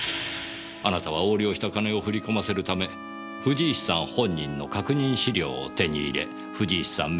あなたは横領した金を振り込ませるため藤石さん本人の確認資料を手に入れ藤石さん